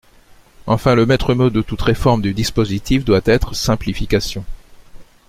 Enfin, le maître-mot de toute réforme du dispositif doit être « simplification ».